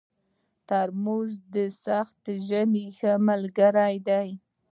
ترموز د سخت ژمي ښه ملګری دی.